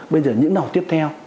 bây giờ những học tiếp theo